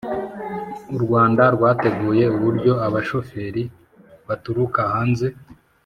U Rwanda rwateguye uburyo abashoferi baturuka hanze